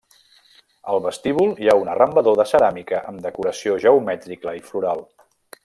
Al vestíbul hi ha un arrambador de ceràmica amb decoració geomètrica i floral.